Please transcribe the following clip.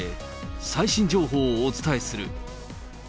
最新情報をお伝えする。